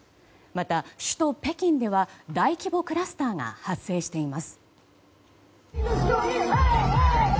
また、首都・北京では大規模クラスターが発生しています。